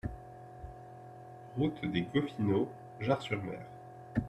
Route des Goffineaux, Jard-sur-Mer